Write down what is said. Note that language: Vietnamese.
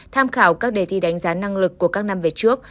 tham khảo các đề thi đánh giá năng lực của các năm về trước